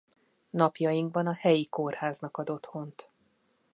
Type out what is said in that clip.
Napjainkban a helyi kórháznak ad otthont.